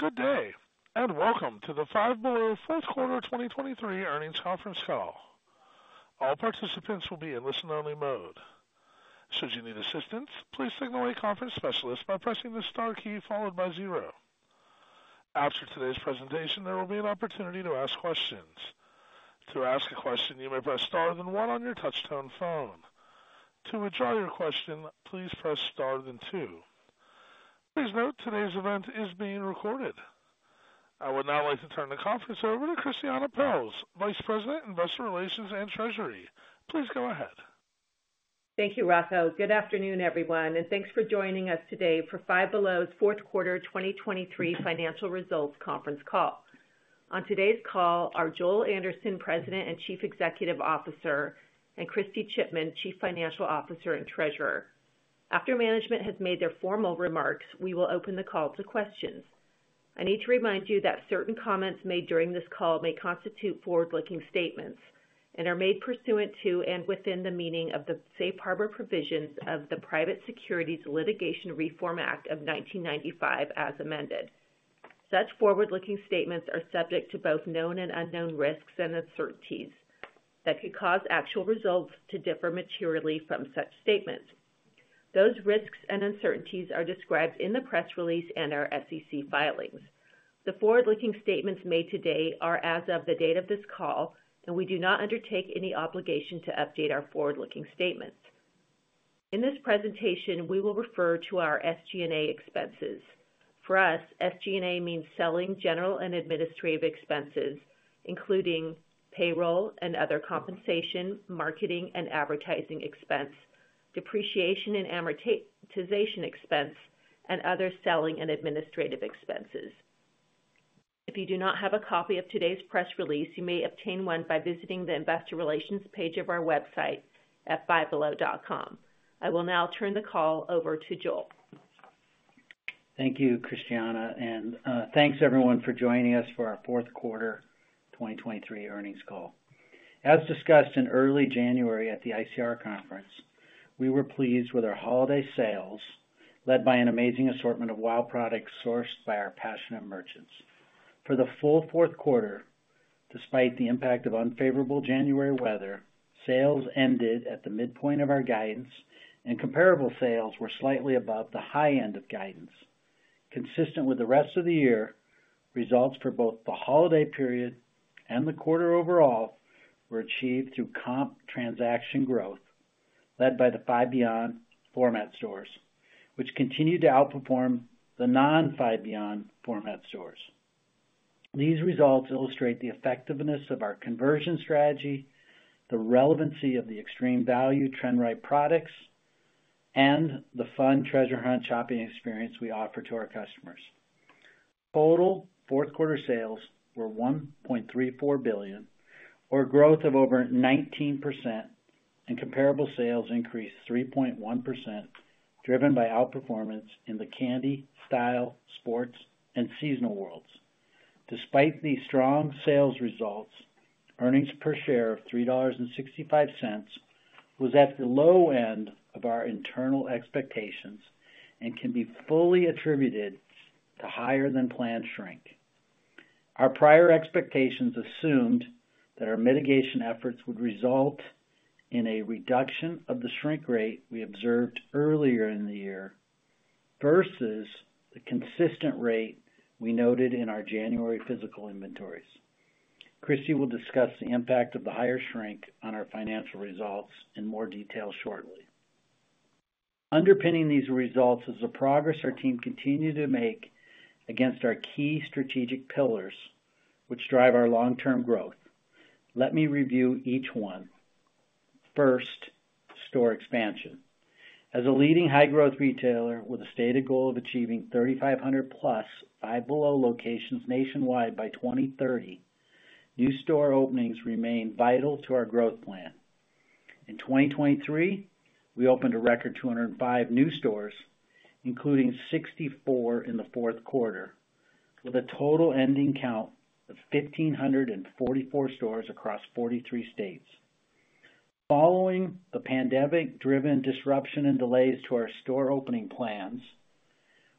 Good day, and welcome to the Five Below fourth quarter 2023 earnings conference call. All participants will be in listen-only mode. Should you need assistance, please signal a conference specialist by pressing the star key followed by zero. After today's presentation, there will be an opportunity to ask questions. To ask a question, you may press star then one on your touchtone phone. To withdraw your question, please press star then two. Please note, today's event is being recorded. I would now like to turn the conference over to Christiane Pelz, Vice President, Investor Relations and Treasury. Please go ahead. Thank you, Rocco. Good afternoon, everyone, and thanks for joining us today for Five Below's fourth quarter 2023 financial results conference call. On today's call are Joel Anderson, President and Chief Executive Officer, and Kristy Chipman, Chief Financial Officer and Treasurer. After management has made their formal remarks, we will open the call to questions. I need to remind you that certain comments made during this call may constitute forward-looking statements and are made pursuant to and within the meaning of the Safe Harbor Provisions of the Private Securities Litigation Reform Act of 1995, as amended. Such forward-looking statements are subject to both known and unknown risks and uncertainties that could cause actual results to differ materially from such statements. Those risks and uncertainties are described in the press release and our SEC filings. The forward-looking statements made today are as of the date of this call, and we do not undertake any obligation to update our forward-looking statements. In this presentation, we will refer to our SG&A expenses. For us, SG&A means selling, general, and administrative expenses, including payroll and other compensation, marketing and advertising expense, depreciation and amortization expense, and other selling and administrative expenses. If you do not have a copy of today's press release, you may obtain one by visiting the investor relations page of our website at fivebelow.com. I will now turn the call over to Joel. Thank you, Christiane, and thanks, everyone, for joining us for our fourth quarter 2023 earnings call. As discussed in early January at the ICR conference, we were pleased with our holiday sales, led by an amazing assortment of Wow products sourced by our passionate merchants. For the full fourth quarter, despite the impact of unfavorable January weather, sales ended at the midpoint of our guidance, and comparable sales were slightly above the high end of guidance. Consistent with the rest of the year, results for both the holiday period and the quarter overall were achieved through comp transaction growth, led by the Five Beyond format stores, which continued to outperform the non-Five Beyond format stores. These results illustrate the effectiveness of our conversion strategy, the relevancy of the extreme value trend-right products, and the fun treasure hunt shopping experience we offer to our customers. Total fourth quarter sales were $1.34 billion, or growth of over 19%, and comparable sales increased 3.1%, driven by outperformance in the candy, style, sports, and seasonal worlds. Despite these strong sales results, earnings per share of $3.65 was at the low end of our internal expectations and can be fully attributed to higher than planned shrink. Our prior expectations assumed that our mitigation efforts would result in a reduction of the shrink rate we observed earlier in the year, versus the consistent rate we noted in our January physical inventories. Kristy will discuss the impact of the higher shrink on our financial results in more detail shortly. Underpinning these results is the progress our team continued to make against our key strategic pillars, which drive our long-term growth. Let me review each one. First, store expansion. As a leading high growth retailer with a stated goal of achieving 3,000+ Five Below locations nationwide by 2030, new store openings remain vital to our growth plan. In 2023, we opened a record 205 new stores, including 64 in the fourth quarter, with a total ending count of 1,544 stores across 43 states. Following the pandemic-driven disruption and delays to our store opening plans,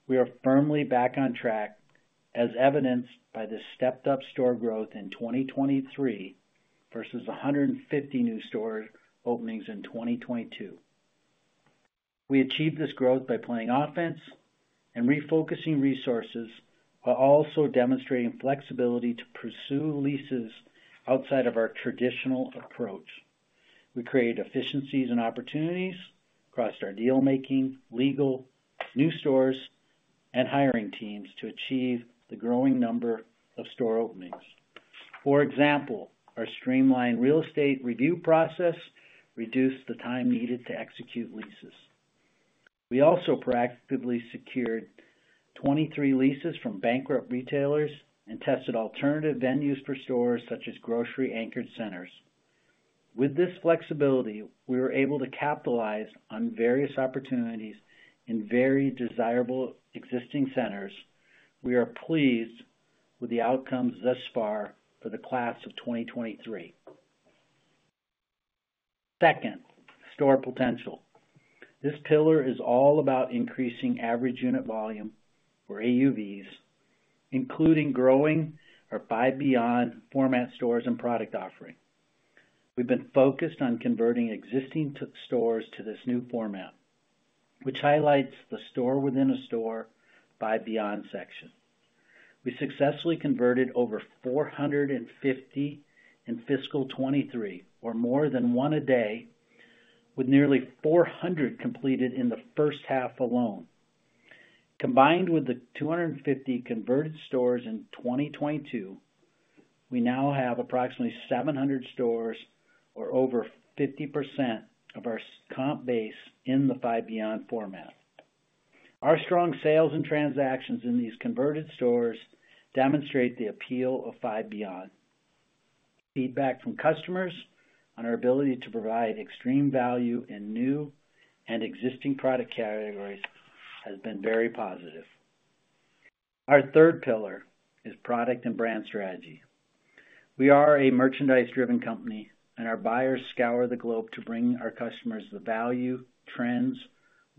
we are firmly back on track, as evidenced by the stepped up store growth in 2023 versus 150 new store openings in 2022. We achieved this growth by playing offense and refocusing resources, while also demonstrating flexibility to pursue leases outside of our traditional approach. We created efficiencies and opportunities across our deal making, legal, new stores, and hiring teams to achieve the growing number of store openings. For example, our streamlined real estate review process reduced the time needed to execute leases. We also proactively secured 23 leases from bankrupt retailers and tested alternative venues for stores such as grocery anchored centers. With this flexibility, we were able to capitalize on various opportunities in very desirable existing centers. We are pleased with the outcomes thus far for the class of 2023. Second, store potential. This pillar is all about increasing average unit volume, or AUVs, including growing our Five Beyond format stores and product offering. We've been focused on converting existing stores to this new format, which highlights the store within a store Five Beyond section. We successfully converted over 450 in fiscal 2023, or more than one a day, with nearly 400 completed in the first half alone. Combined with the 250 converted stores in 2022, we now have approximately 700 stores, or over 50% of our same-store comp base in the Five Beyond format. Our strong sales and transactions in these converted stores demonstrate the appeal of Five Beyond. Feedback from customers on our ability to provide extreme value in new and existing product categories has been very positive. Our third pillar is product and brand strategy. We are a merchandise-driven company, and our buyers scour the globe to bring our customers the value, trends,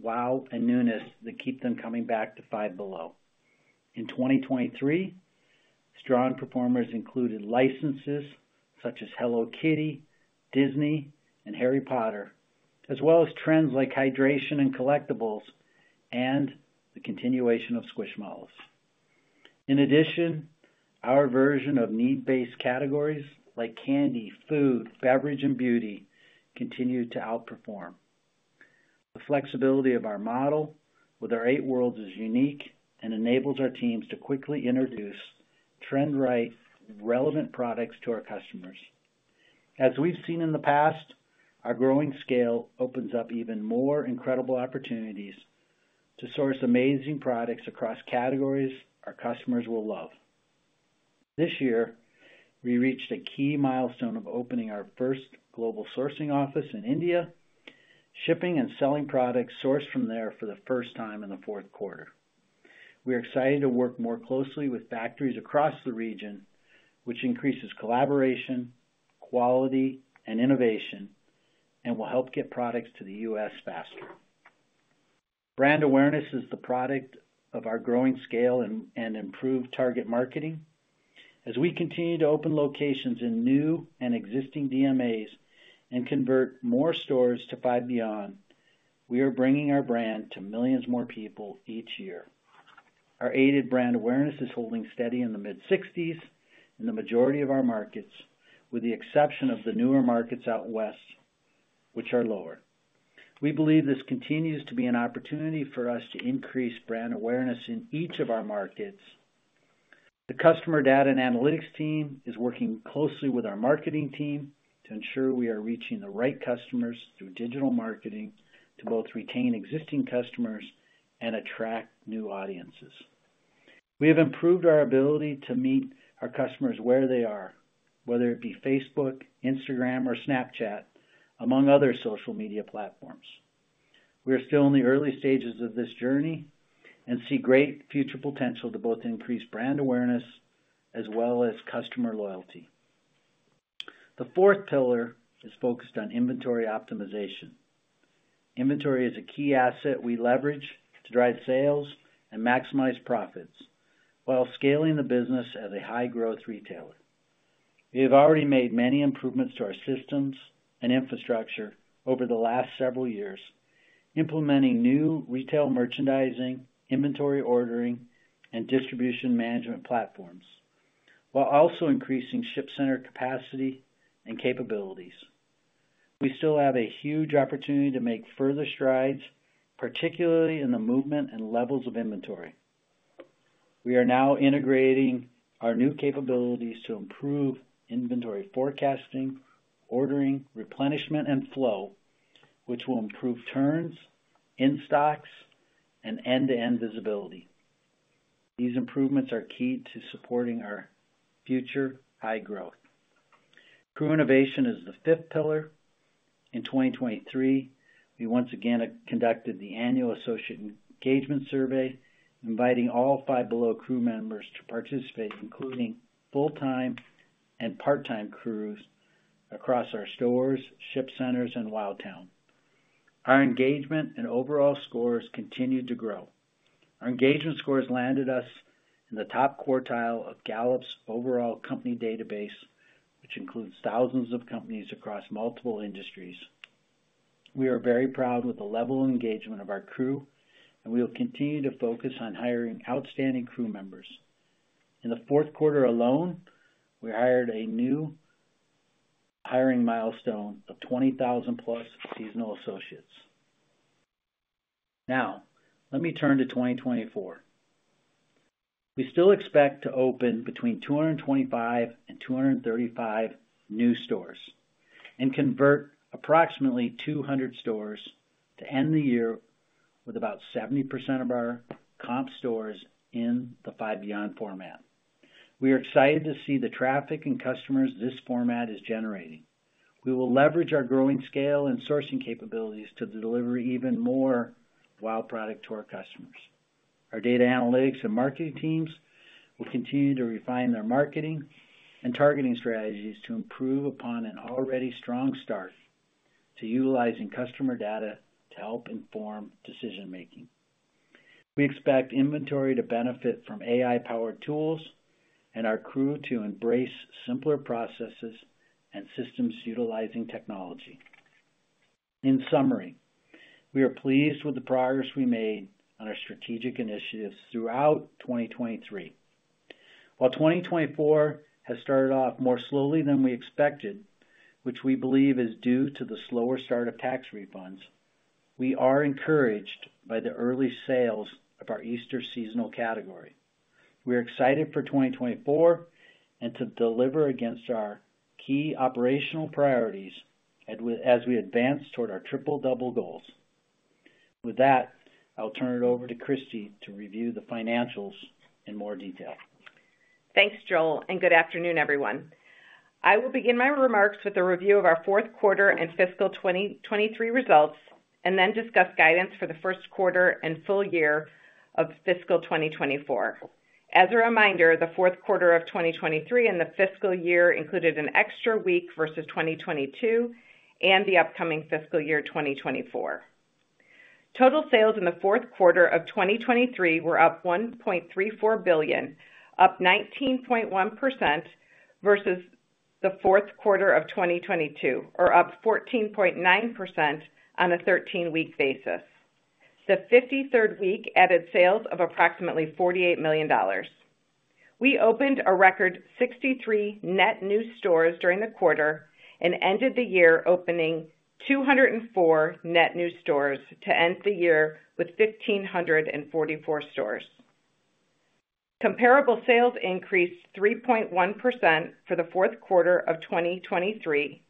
wow, and newness that keep them coming back to Five Below. In 2023, strong performers included licenses such as Hello Kitty, Disney, and Harry Potter, as well as trends like hydration and collectibles, and the continuation of Squishmallows. In addition, our version of need-based categories like candy, food, beverage, and beauty continue to outperform. The flexibility of our model with our eight worlds is unique and enables our teams to quickly introduce trend-right, relevant products to our customers. As we've seen in the past, our growing scale opens up even more incredible opportunities to source amazing products across categories our customers will love. This year, we reached a key milestone of opening our first global sourcing office in India, shipping and selling products sourced from there for the first time in the fourth quarter. We are excited to work more closely with factories across the region, which increases collaboration, quality, and innovation, and will help get products to the U.S. faster. Brand awareness is the product of our growing scale and improved target marketing. As we continue to open locations in new and existing DMAs and convert more stores to Five Beyond, we are bringing our brand to millions more people each year. Our aided brand awareness is holding steady in the mid-sixties in the majority of our markets, with the exception of the newer markets out west, which are lower. We believe this continues to be an opportunity for us to increase brand awareness in each of our markets. The customer data and analytics team is working closely with our marketing team to ensure we are reaching the right customers through digital marketing to both retain existing customers and attract new audiences. We have improved our ability to meet our customers where they are, whether it be Facebook, Instagram, or Snapchat, among other social media platforms. We are still in the early stages of this journey and see great future potential to both increase brand awareness as well as customer loyalty. The fourth pillar is focused on inventory optimization. Inventory is a key asset we leverage to drive sales and maximize profits while scaling the business as a high-growth retailer. We have already made many improvements to our systems and infrastructure over the last several years, implementing new retail merchandising, inventory ordering, and distribution management platforms, while also increasing ship center capacity and capabilities. We still have a huge opportunity to make further strides, particularly in the movement and levels of inventory. We are now integrating our new capabilities to improve inventory forecasting, ordering, replenishment, and flow, which will improve turns, in-stocks, and end-to-end visibility. These improvements are key to supporting our future high growth. Crew innovation is the fifth pillar. In 2023, we once again conducted the annual Associate Engagement Survey, inviting all Five Below crew members to participate, including full-time and part-time crews across our stores, ship centers, and WowTown. Our engagement and overall scores continued to grow. Our engagement scores landed us in the top quartile of Gallup's overall company database, which includes thousands of companies across multiple industries. We are very proud with the level of engagement of our crew, and we will continue to focus on hiring outstanding crew members. In the fourth quarter alone, we hired a new hiring milestone of 20,000+ seasonal associates. Now, let me turn to 2024. We still expect to open between 225 and 235 new stores and convert approximately 200 stores to end the year with about 70% of our comp stores in the Five Beyond format. We are excited to see the traffic and customers this format is generating. We will leverage our growing scale and sourcing capabilities to deliver even more wow product to our customers.... Our data analytics and marketing teams will continue to refine their marketing and targeting strategies to improve upon an already strong start to utilizing customer data to help inform decision making. We expect inventory to benefit from AI-powered tools and our crew to embrace simpler processes and systems utilizing technology. In summary, we are pleased with the progress we made on our strategic initiatives throughout 2023. While 2024 has started off more slowly than we expected, which we believe is due to the slower start of tax refunds, we are encouraged by the early sales of our Easter seasonal category. We're excited for 2024 and to deliver against our key operational priorities as we advance toward our Triple-Double goals. With that, I'll turn it over to Kristy to review the financials in more detail. Thanks, Joel, and good afternoon, everyone. I will begin my remarks with a review of our fourth quarter and fiscal 2023 results, and then discuss guidance for the first quarter and full year of fiscal 2024. As a reminder, the fourth quarter of 2023 and the fiscal year included an extra week versus 2022 and the upcoming fiscal year, 2024. Total sales in the fourth quarter of 2023 were up $1.34 billion, up 19.1% versus the fourth quarter of 2022, or up 14.9% on a 13-week basis. The 53rd week added sales of approximately $48 million. We opened a record 63 net new stores during the quarter and ended the year opening 204 net new stores to end the year with 1,544 stores. Comparable sales increased 3.1% for the fourth quarter of 2023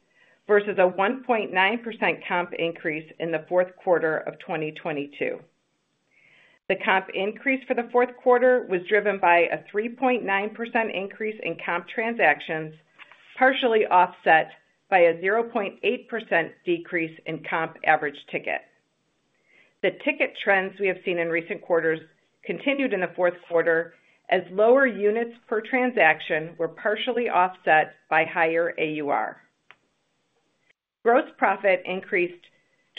versus a 1.9% comp increase in the fourth quarter of 2022. The comp increase for the fourth quarter was driven by a 3.9% increase in comp transactions, partially offset by a 0.8% decrease in comp average ticket. The ticket trends we have seen in recent quarters continued in the fourth quarter, as lower units per transaction were partially offset by higher AUR. Gross profit increased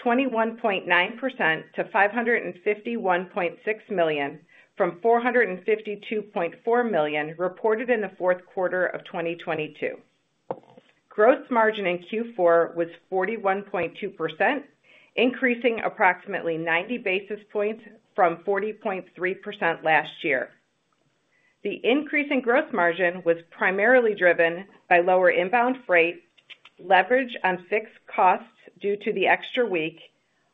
21.9% to $551.6 million, from $452.4 million reported in the fourth quarter of 2022. Gross margin in Q4 was 41.2%, increasing approximately 90 basis points from 40.3% last year. The increase in gross margin was primarily driven by lower inbound freight, leverage on fixed costs due to the extra week,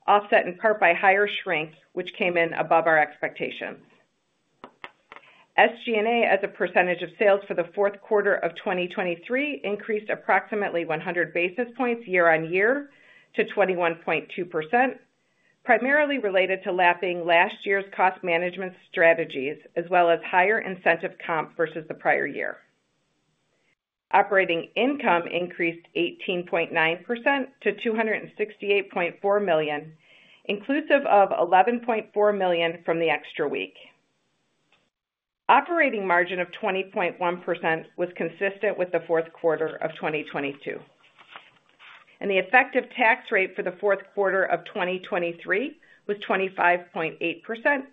offset in part by higher shrink, which came in above our expectations. SG&A, as a percentage of sales for the fourth quarter of 2023, increased approximately 100 basis points year-on-year to 21.2%, primarily related to lapping last year's cost management strategies, as well as higher incentive comp versus the prior year. Operating income increased 18.9% to $268.4 million, inclusive of $11.4 million from the extra week. Operating margin of 20.1% was consistent with the fourth quarter of 2022, and the effective tax rate for the fourth quarter of 2023 was 25.8%,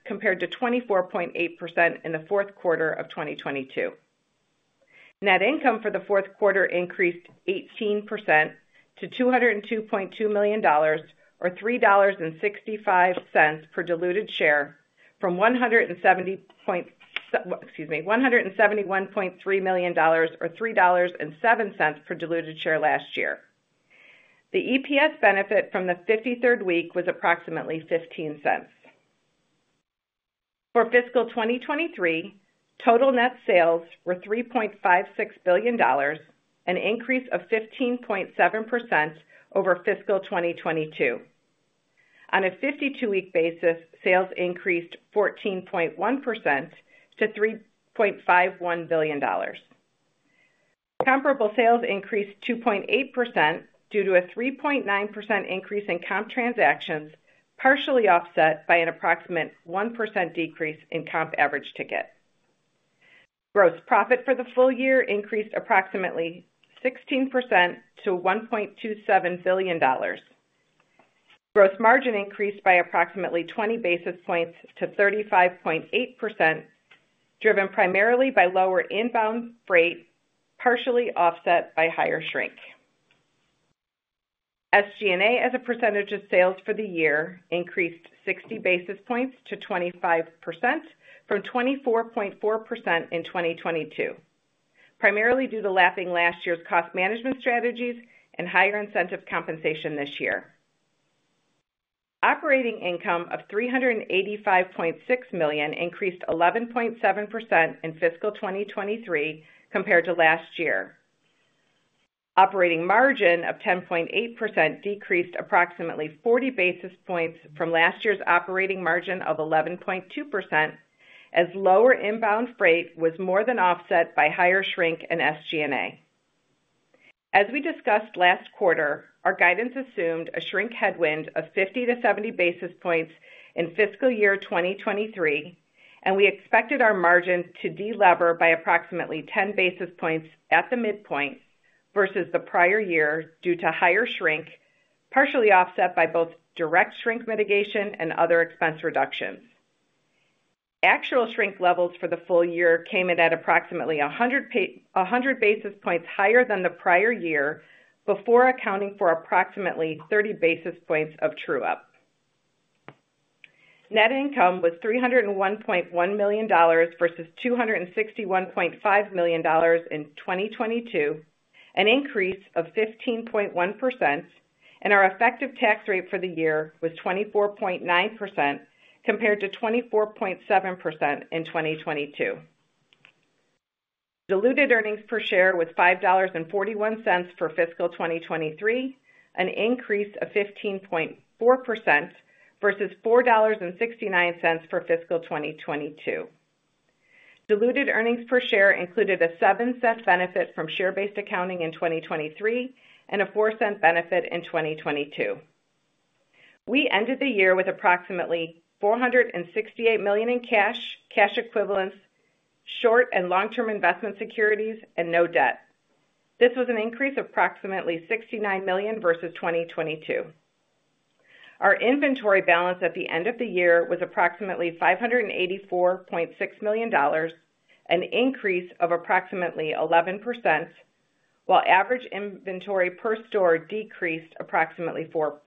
compared to 24.8% in the fourth quarter of 2022. Net income for the fourth quarter increased 18% to $202.2 million, or $3.65 per diluted share, from $171.3 million, or $3.07 per diluted share last year. The EPS benefit from the 53rd week was approximately $0.15. For fiscal 2023, total net sales were $3.56 billion, an increase of 15.7% over fiscal 2022. On a 52-week basis, sales increased 14.1% to $3.51 billion. Comparable sales increased 2.8% due to a 3.9% increase in comp transactions, partially offset by an approximate 1% decrease in comp average ticket. Gross profit for the full year increased approximately 16% to $1.27 billion. Gross margin increased by approximately 20 basis points to 35.8%, driven primarily by lower inbound freight, partially offset by higher shrink. SG&A, as a percentage of sales for the year, increased 60 basis points to 25% from 24.4% in 2022, primarily due to lapping last year's cost management strategies and higher incentive compensation this year. Operating income of $385.6 million increased 11.7% in fiscal 2023 compared to last year. Operating margin of 10.8% decreased approximately 40 basis points from last year's operating margin of 11.2%, as lower inbound freight was more than offset by higher shrink in SG&A. As we discussed last quarter, our guidance assumed a shrink headwind of 50-70 basis points in fiscal year 2023, and we expected our margins to delever by approximately 10 basis points at the midpoint versus the prior year due to higher shrink, partially offset by both direct shrink mitigation and other expense reductions. Actual shrink levels for the full year came in at approximately 100 basis points higher than the prior year, before accounting for approximately 30 basis points of true up. Net income was $301.1 million versus $261.5 million in 2022, an increase of 15.1%, and our effective tax rate for the year was 24.9%, compared to 24.7% in 2022. Diluted earnings per share was $5.41 for fiscal 2023, an increase of 15.4% versus $4.69 for fiscal 2022. Diluted earnings per share included a $0.07 benefit from share-based accounting in 2023 and a $0.04 benefit in 2022. We ended the year with approximately $468 million in cash, cash equivalents, short- and long-term investment securities, and no debt. This was an increase of approximately $69 million versus 2022. Our inventory balance at the end of the year was approximately $584.6 million, an increase of approximately 11%, while average inventory per store decreased approximately 4%.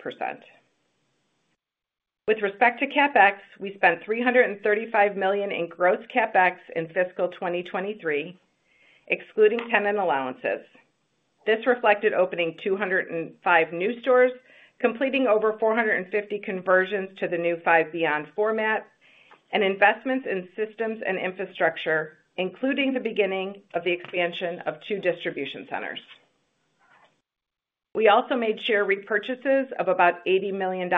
With respect to CapEx, we spent $335 million in gross CapEx in fiscal 2023, excluding tenant allowances. This reflected opening 205 new stores, completing over 450 conversions to the new Five Beyond format, and investments in systems and infrastructure, including the beginning of the expansion of two distribution centers. We also made share repurchases of about $80 million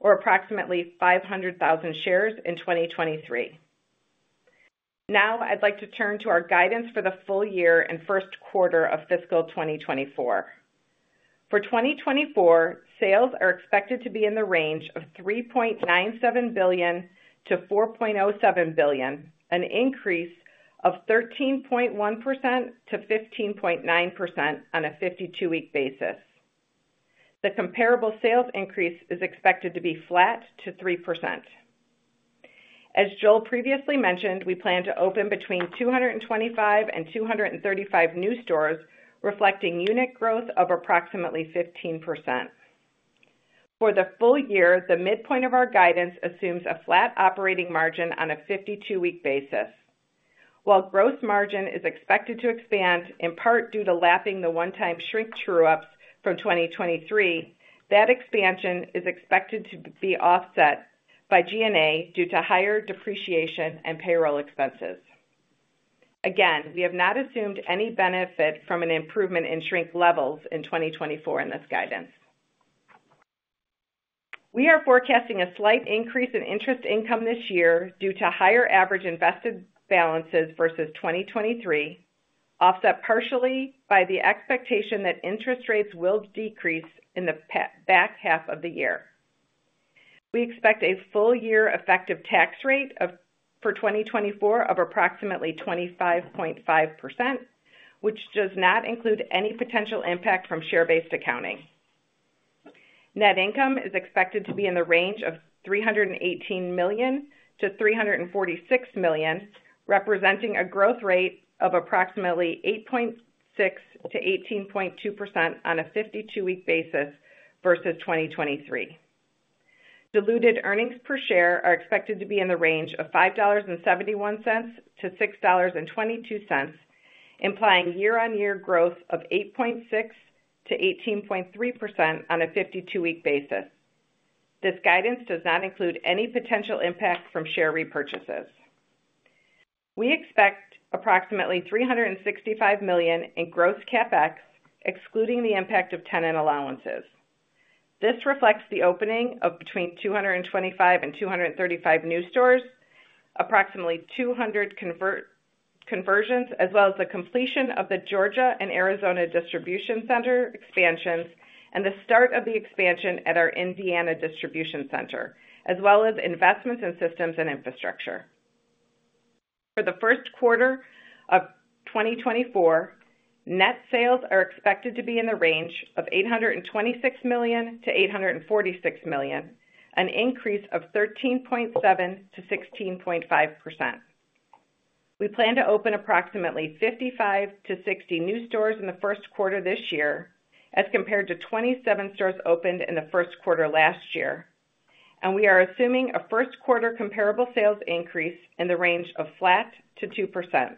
or approximately 500,000 shares in 2023. Now, I'd like to turn to our guidance for the full year and first quarter of fiscal 2024. For 2024, sales are expected to be in the range of $3.97 billion-$4.07 billion, an increase of 13.1%-15.9% on a 52-week basis. The comparable sales increase is expected to be flat to 3%. As Joel previously mentioned, we plan to open between 225 and 235 new stores, reflecting unit growth of approximately 15%. For the full year, the midpoint of our guidance assumes a flat operating margin on a 52-week basis. While gross margin is expected to expand, in part due to lapping the one-time shrink true ups from 2023, that expansion is expected to be offset by G&A due to higher depreciation and payroll expenses. Again, we have not assumed any benefit from an improvement in shrink levels in 2024 in this guidance. We are forecasting a slight increase in interest income this year due to higher average invested balances versus 2023, offset partially by the expectation that interest rates will decrease in the back half of the year. We expect a full year effective tax rate of, for 2024 of approximately 25.5%, which does not include any potential impact from share-based accounting. Net income is expected to be in the range of $318 million-$346 million, representing a growth rate of approximately 8.6%-18.2% on a 52-week basis versus 2023. Diluted earnings per share are expected to be in the range of $5.71-$6.22, implying year-on-year growth of 8.6% to 18.3% on a 52-week basis. This guidance does not include any potential impact from share repurchases. We expect approximately $365 million in gross CapEx, excluding the impact of tenant allowances. This reflects the opening of between 225 and 235 new stores, approximately 200 conversions, as well as the completion of the Georgia and Arizona Distribution Center expansions and the start of the expansion at our Indiana Distribution Center, as well as investments in systems and infrastructure. For the first quarter of 2024, net sales are expected to be in the range of $826 million-$846 million, an increase of 13.7% to 16.5%. We plan to open approximately 55-60 new stores in the first quarter this year, as compared to 27 stores opened in the first quarter last year, and we are assuming a first quarter comparable sales increase in the range of flat to 2%.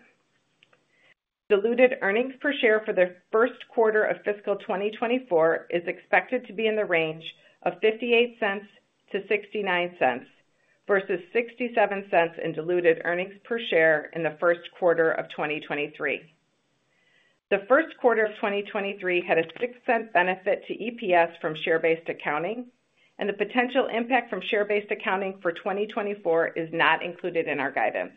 Diluted earnings per share for the first quarter of fiscal 2024 is expected to be in the range of $0.58-$0.69, versus $0.67 in diluted earnings per share in the first quarter of 2023. The first quarter of 2023 had a $0.06 benefit to EPS from share-based accounting, and the potential impact from share-based accounting for 2024 is not included in our guidance.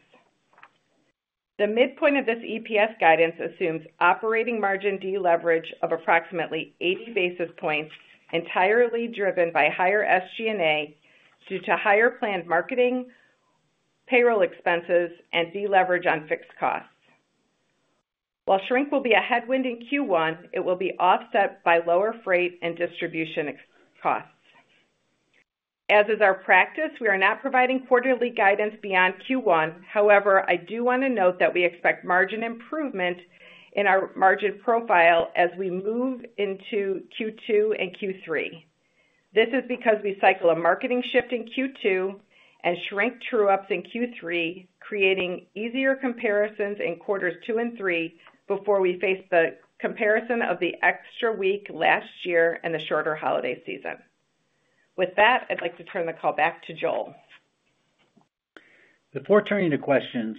The midpoint of this EPS guidance assumes operating margin deleverage of approximately 80 basis points, entirely driven by higher SG&A, due to higher planned marketing, payroll expenses and deleverage on fixed costs. While shrink will be a headwind in Q1, it will be offset by lower freight and distribution fixed costs. As is our practice, we are not providing quarterly guidance beyond Q1. However, I do want to note that we expect margin improvement in our margin profile as we move into Q2 and Q3. This is because we cycle a marketing shift in Q2 and shrink true ups in Q3, creating easier comparisons in quarters two and three before we face the comparison of the extra week last year and the shorter holiday season. With that, I'd like to turn the call back to Joel. Before turning to questions,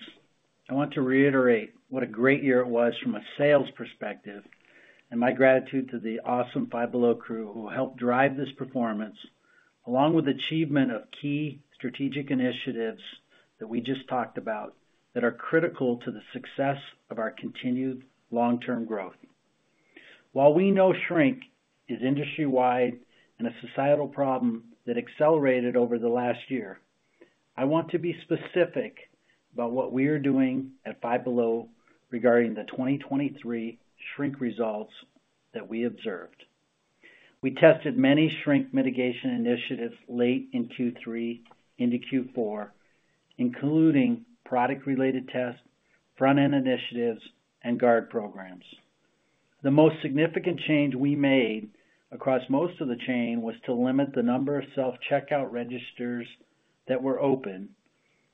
I want to reiterate what a great year it was from a sales perspective, and my gratitude to the awesome Five Below crew who helped drive this performance, along with achievement of key strategic initiatives that we just talked about that are critical to the success of our continued long-term growth. While we know shrink is industry-wide and a societal problem that accelerated over the last year, I want to be specific about what we are doing at Five Below regarding the 2023 shrink results that we observed. We tested many shrink mitigation initiatives late in Q3 into Q4, including product-related tests, front-end initiatives, and guard programs. The most significant change we made across most of the chain was to limit the number of self-checkout registers that were open,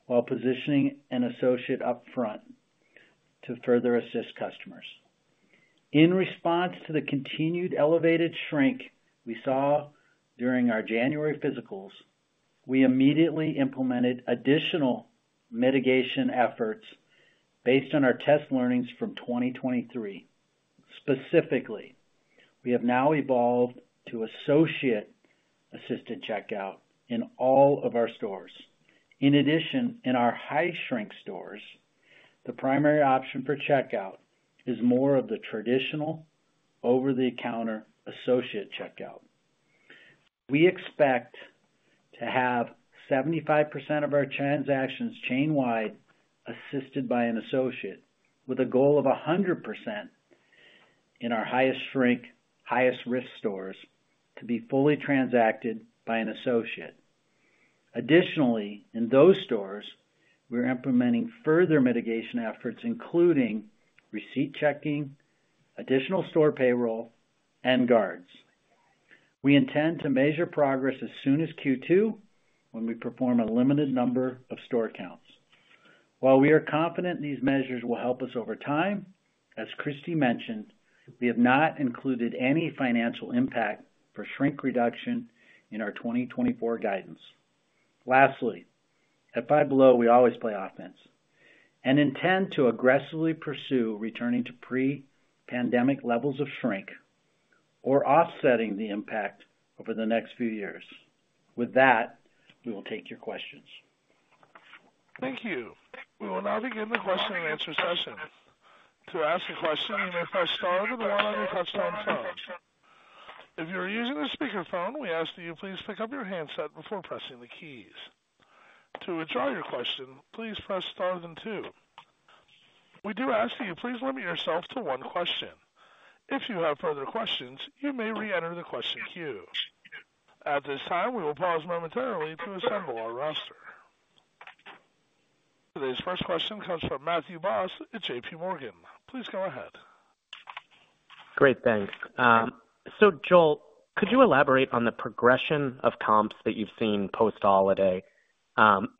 while positioning an associate up front to further assist customers. In response to the continued elevated shrink we saw during our January physicals, we immediately implemented additional mitigation efforts based on our test learnings from 2023. Specifically, we have now evolved to associate assistant checkout in all of our stores. In addition, in our high shrink stores, the primary option for checkout is more of the traditional over-the-counter associate checkout. We expect to have 75% of our transactions chain-wide, assisted by an associate, with a goal of 100% in our highest shrink, highest risk stores to be fully transacted by an associate. Additionally, in those stores, we're implementing further mitigation efforts, including receipt checking, additional store payroll, and guards. We intend to measure progress as soon as Q2, when we perform a limited number of store counts. While we are confident these measures will help us over time, as Kristy mentioned, we have not included any financial impact for shrink reduction in our 2024 guidance. Lastly, at Five Below, we always play offense and intend to aggressively pursue returning to pre-pandemic levels of shrink or offsetting the impact over the next few years. With that, we will take your questions. Thank you. We will now begin the question-and-answer session. To ask a question, you may press star then the one on your touchtone phone. If you are using a speakerphone, we ask that you please pick up your handset before pressing the keys. To withdraw your question, please press star then two. We do ask that you please limit yourself to one question. If you have further questions, you may reenter the question queue. At this time, we will pause momentarily to assemble our roster. Today's first question comes from Matthew Boss at JPMorgan. Please go ahead. Great, thanks. So Joel, could you elaborate on the progression of comps that you've seen post-holiday,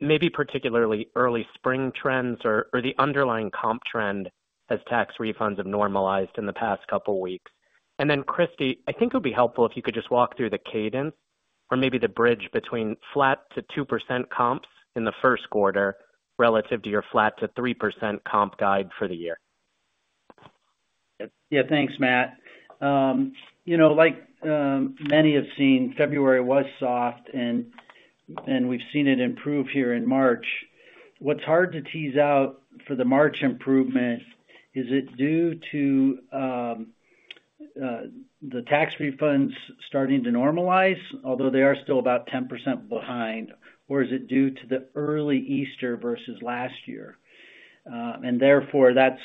maybe particularly early spring trends or, or the underlying comp trend as tax refunds have normalized in the past couple weeks? And then, Kristy, I think it would be helpful if you could just walk through the cadence or maybe the bridge between flat to 2% comps in the first quarter relative to your flat to 3% comp guide for the year. Yeah. Thanks, Matt. You know, like, many have seen, February was soft and, and we've seen it improve here in March. What's hard to tease out for the March improvement, is it due to, the tax refunds starting to normalize, although they are still about 10% behind, or is it due to the early Easter versus last year? And therefore, that's,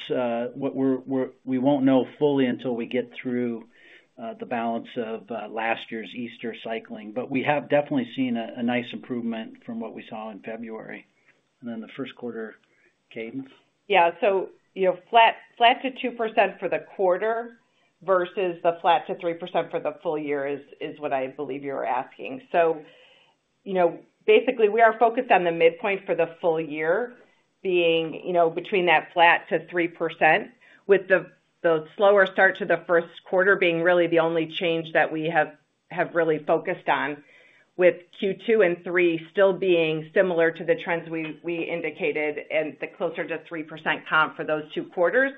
what we're-- we won't know fully until we get through, the balance of, last year's Easter cycling. But we have definitely seen a, a nice improvement from what we saw in February, and then the first quarter cadence. Yeah, so you know, flat to 2% for the quarter versus the flat to 3% for the full year is what I believe you were asking. So, you know, basically, we are focused on the midpoint for the full year being, you know, between that flat to 3%, with the slower start to the first quarter being really the only change that we have really focused on, with Q2 and Q3 still being similar to the trends we indicated and the closer to 3% comp for those two quarters.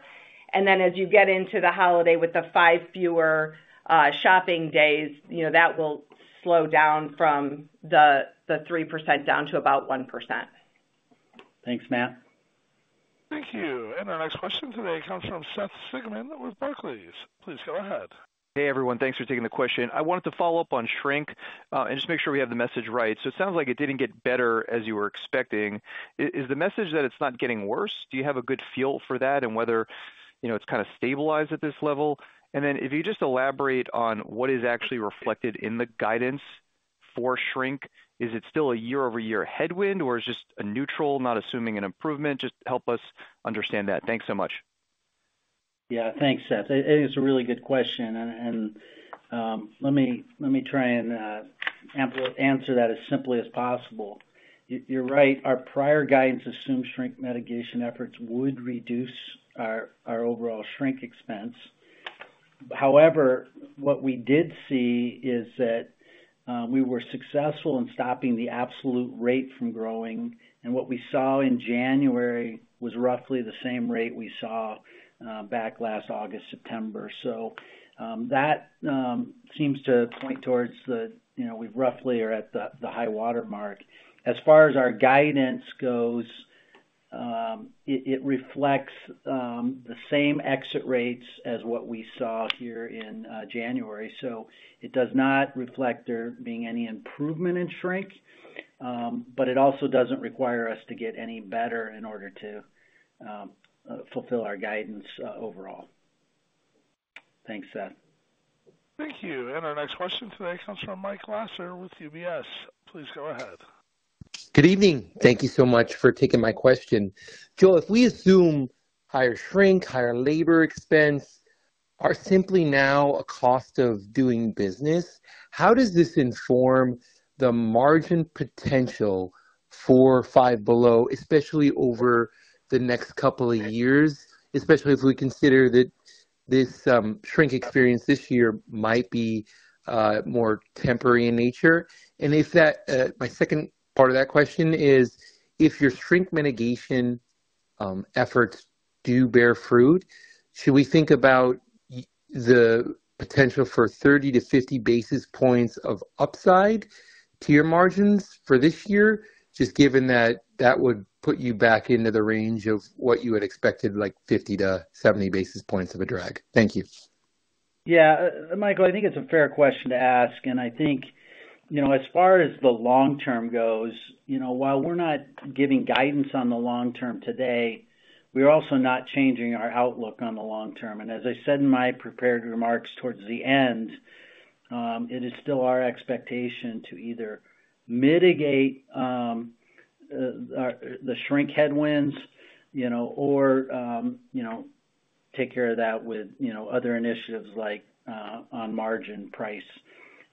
Then as you get into the holiday with the 5 fewer shopping days, you know, that will slow down from the 3% down to about 1%. Thanks, Matt. Thank you. Our next question today comes from Seth Sigman with Barclays. Please go ahead. Hey, everyone. Thanks for taking the question. I wanted to follow up on shrink and just make sure we have the message right. So it sounds like it didn't get better as you were expecting. Is the message that it's not getting worse? Do you have a good feel for that and whether, you know, it's kind of stabilized at this level? And then if you just elaborate on what is actually reflected in the guidance for shrink, is it still a year-over-year headwind, or is just a neutral, not assuming an improvement? Just help us understand that. Thanks so much. Yeah, thanks, Seth. It is a really good question, and let me try and answer that as simply as possible. You're right. Our prior guidance assumes shrink mitigation efforts would reduce our overall shrink expense. However, what we did see is that we were successful in stopping the absolute rate from growing, and what we saw in January was roughly the same rate we saw back last August, September. So, that seems to point towards the, you know, we roughly are at the high water mark. As far as our guidance goes, it reflects the same exit rates as what we saw here in January. So it does not reflect there being any improvement in shrink, but it also doesn't require us to get any better in order to fulfill our guidance, overall. Thanks, Seth. Thank you. Our next question today comes from Michael Lasser with UBS. Please go ahead. Good evening. Thank you so much for taking my question. Joe, if we assume higher shrink, higher labor expense are simply now a cost of doing business, how does this inform the margin potential for Five Below, especially over the next couple of years, especially as we consider that this, shrink experience this year might be, more temporary in nature? And if that, my second part of that question is, if your shrink mitigation, efforts do bear fruit, should we think about the potential for 30-50 basis points of upside to your margins for this year, just given that that would put you back into the range of what you had expected, like 50-70 basis points of a drag? Thank you. Yeah, Michael, I think it's a fair question to ask, and I think, you know, as far as the long term goes, you know, while we're not giving guidance on the long term today, we're also not changing our outlook on the long term. And as I said in my prepared remarks towards the end, it is still our expectation to either mitigate the shrink headwinds, you know, or you know, take care of that with, you know, other initiatives like on margin price.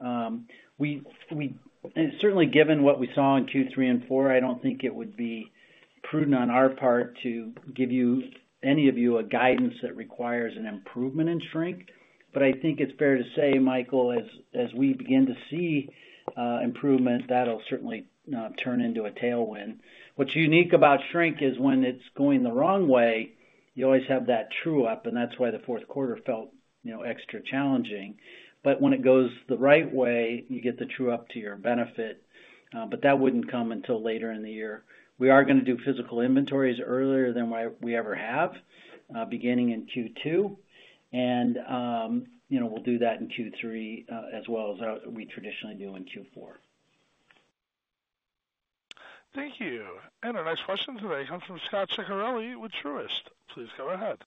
We and certainly given what we saw in Q3 and Q4, I don't think it would be prudent on our part to give any of you a guidance that requires an improvement in shrink. But I think it's fair to say, Michael, as we begin to see improvement, that'll certainly turn into a tailwind. What's unique about shrink is when it's going the wrong way, you always have that true up, and that's why the fourth quarter felt, you know, extra challenging. But when it goes the right way, you get the true up to your benefit, but that wouldn't come until later in the year. We are gonna do physical inventories earlier than we ever have, beginning in Q2, and, you know, we'll do that in Q3, as well as we traditionally do in Q4. Thank you. And our next question today comes from Scot Ciccarelli with Truist. Please go ahead.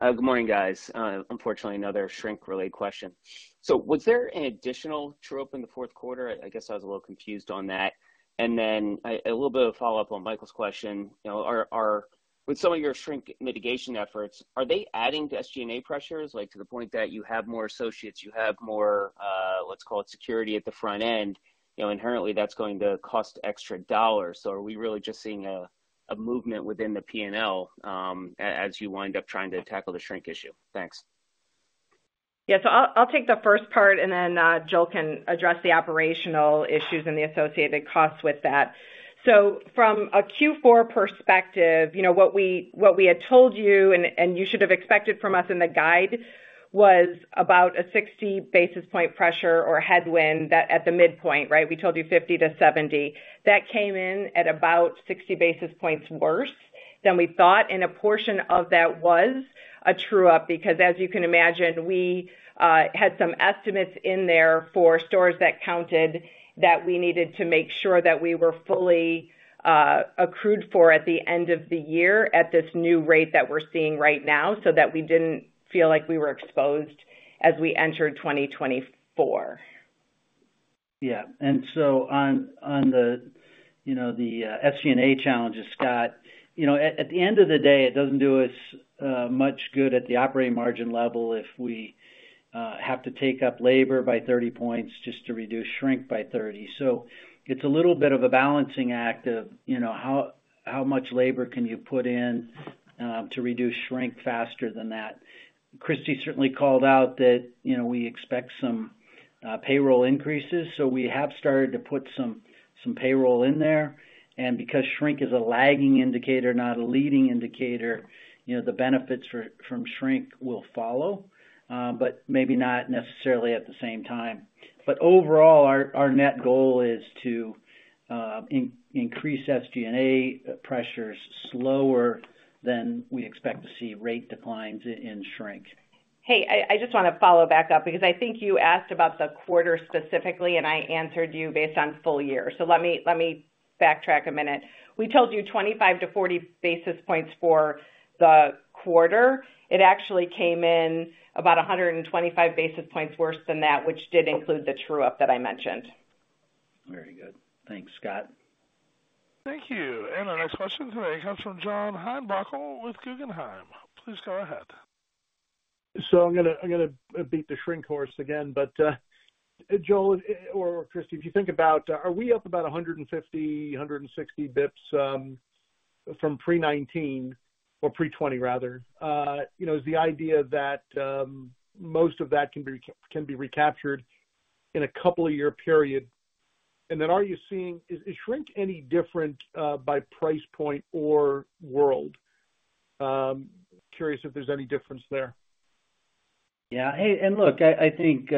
Good morning, guys. Unfortunately, another shrink-related question. So was there an additional true-up in the fourth quarter? I guess I was a little confused on that. And then a little bit of a follow-up on Michael's question. You know, with some of your shrink mitigation efforts, are they adding to SG&A pressures, like, to the point that you have more associates, you have more, let's call it security at the front end? You know, inherently, that's going to cost extra dollars. So are we really just seeing a movement within the P&L, as you wind up trying to tackle the shrink issue? Thanks. Yeah, so I'll take the first part, and then Joe can address the operational issues and the associated costs with that. So from a Q4 perspective, you know, what we had told you and you should have expected from us in the guide was about a 60 basis point pressure or headwind that at the midpoint, right? We told you 50-70. That came in at about 60 basis points worse than we thought, and a portion of that was a true-up, because as you can imagine, we had some estimates in there for stores that counted, that we needed to make sure that we were fully accrued for at the end of the year at this new rate that we're seeing right now, so that we didn't feel like we were exposed as we entered 2024. Yeah. And so on the, you know, the SG&A challenges, Scot, you know, at the end of the day, it doesn't do us much good at the operating margin level if we have to take up labor by 30 points just to reduce shrink by 30. So it's a little bit of a balancing act of, you know, how much labor can you put in to reduce shrink faster than that? Kristy certainly called out that, you know, we expect some payroll increases, so we have started to put some payroll in there. And because shrink is a lagging indicator, not a leading indicator, you know, the benefits from shrink will follow, but maybe not necessarily at the same time. But overall, our net goal is to increase SG&A pressures slower than we expect to see rate declines in shrink. Hey, I just want to follow back up because I think you asked about the quarter specifically, and I answered you based on full year. So let me backtrack a minute. We told you 25-40 basis points for the quarter. It actually came in about 125 basis points worse than that, which did include the true-up that I mentioned. Very good. Thanks, Scot. Thank you. Our next question today comes from John Heinbockel with Guggenheim. Please go ahead. So I'm gonna beat the shrink horse again. But Joel or Kristy, if you think about, are we up about 150, 160 basis points from pre-2019 or pre-2020 rather? You know, is the idea that most of that can be recaptured in a couple-year period? And then are you seeing is shrink any different by price point or world? Curious if there's any difference there. Yeah. Hey, and look, I, I think,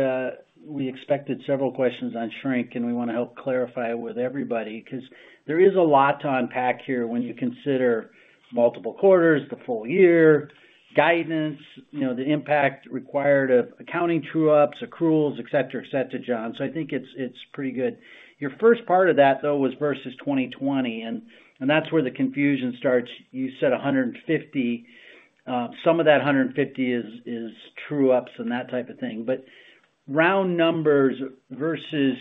we expected several questions on shrink, and we want to help clarify it with everybody, 'cause there is a lot to unpack here when you consider multiple quarters, the full year, guidance, you know, the impact required of accounting true-ups, accruals, et cetera, et cetera, John. So I think it's, it's pretty good. Your first part of that, though, was versus 2020, and, and that's where the confusion starts. You said 150. Some of that 150 is, is true-ups and that type of thing. But round numbers versus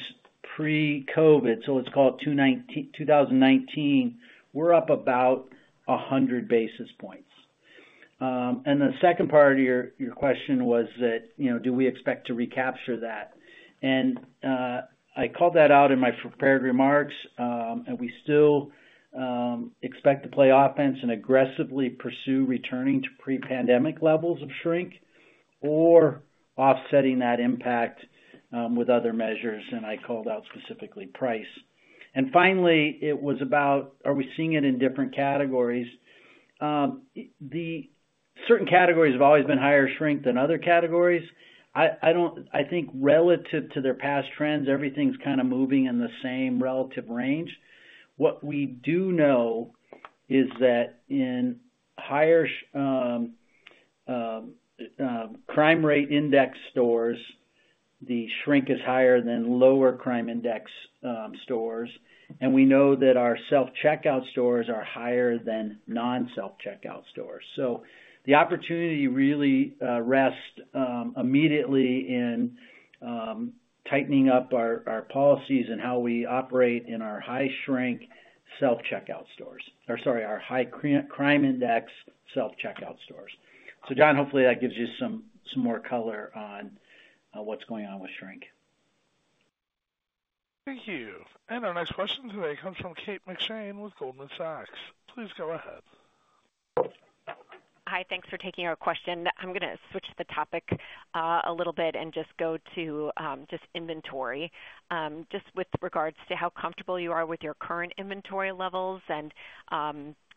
pre-COVID, so let's call it 2019, two thousand nineteen, we're up about 100 basis points. And the second part of your, your question was that, you know, do we expect to recapture that? I called that out in my prepared remarks, and we still expect to play offense and aggressively pursue returning to pre-pandemic levels of shrink or offsetting that impact with other measures, and I called out specifically price. Finally, it was about, are we seeing it in different categories? Certain categories have always been higher shrink than other categories. I don't think relative to their past trends, everything's kind of moving in the same relative range. What we do know is that in higher crime rate index stores, the shrink is higher than lower crime index stores, and we know that our self-checkout stores are higher than non-self-checkout stores. So the opportunity really rests immediately in tightening up our policies and how we operate in our high crime index self-checkout stores. So John, hopefully that gives you some more color on what's going on with shrink. Thank you. Our next question today comes from Kate McShane with Goldman Sachs. Please go ahead. Hi, thanks for taking our question. I'm gonna switch the topic a little bit and just go to just inventory. Just with regards to how comfortable you are with your current inventory levels and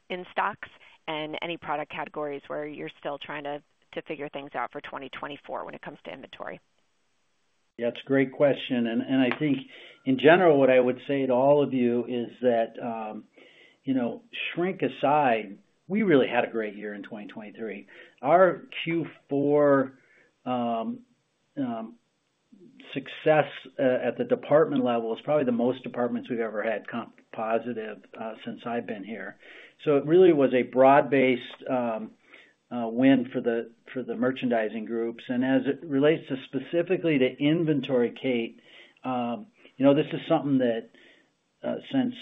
in stocks, and any product categories where you're still trying to figure things out for 2024 when it comes to inventory. Yeah, it's a great question, and I think in general, what I would say to all of you is that, you know, shrink aside, we really had a great year in 2023. Our Q4 success at the department level is probably the most departments we've ever had comp positive since I've been here. So it really was a broad-based win for the merchandising groups. And as it relates specifically to inventory, Kate, you know, this is something that since